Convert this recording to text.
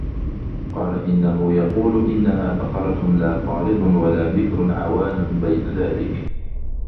قَالَ إِنَّهُ يَقُولُ إِنَّهَا بَقَرَةٌ لَا فَارِضٌ وَلَا بِكْرٌ عَوَانٌ بَيْنَ ذَٰلِكَ ۖ